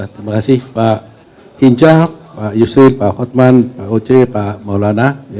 terima kasih pak hinca pak yusri pak hotman pak oce pak maulana